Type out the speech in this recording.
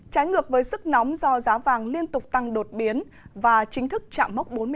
trái ngược với sức nóng do giá vàng liên tục tăng đột biến và chính thức chạm mốc